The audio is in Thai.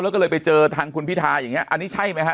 แล้วก็เลยไปเจอทางคุณพิทาอย่างนี้อันนี้ใช่ไหมฮะ